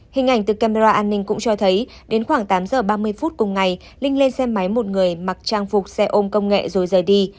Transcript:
hình ảnh từ camera an ninh cũng cho thấy đến khoảng tám giờ ba mươi phút cùng ngày linh lên xe máy một người mặc trang phục xe ôm công nghệ rồi rời đi